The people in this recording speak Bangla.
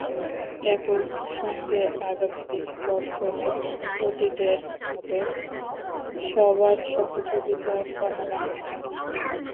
একই সঙ্গে আগামী দিনের পথচলায় অতীতের মতো সবার সহযোগিতা কামনা করছি।